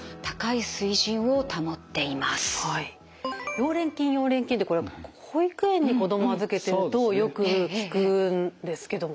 溶連菌溶連菌ってこれ保育園に子ども預けてるとよく聞くんですけどもね